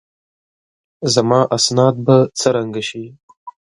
زما اسناد به څرنګه شي؟